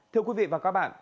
thưa quý vị và các bạn